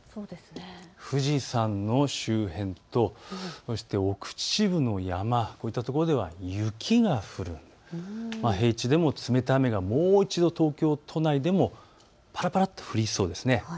富士山の周辺と奥秩父の山、こういったところでは雪が降る、平地でも冷たい雨がもう一度東京都内でもぱらぱらと降りそうです。